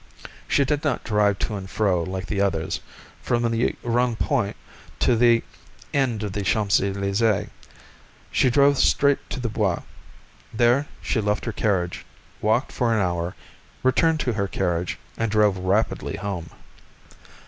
She did not drive to and fro like the others, from the Rond Point to the end of the Champs Elysées. She drove straight to the Bois. There she left her carriage, walked for an hour, returned to her carriage, and drove rapidly home.